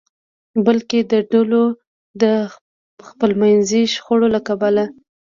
بلکې د ډلو د خپلمنځي شخړو له کبله.